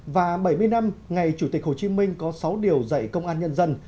và bảy mươi năm ngày chủ tịch hồ chí minh có sáu điều dạy công an nhân dân